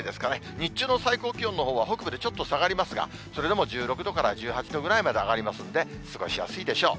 日中の最高気温のほうは、北部でちょっと下がりますが、それでも１６度から１８度ぐらいまで上がりますんで、過ごしやすいでしょう。